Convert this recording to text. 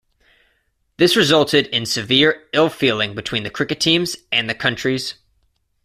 This resulted in severe ill-feeling between the cricket teams, and the countries.